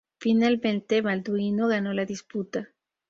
Finalmente Balduino ganó la disputa.